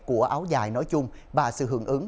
của áo dài nói chung và sự hưởng ứng